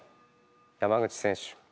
山口選手